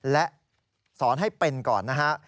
และสอนให้เป็นก่อนนะฮะ